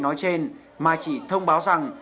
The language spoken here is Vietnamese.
nói trên mà chỉ thông báo rằng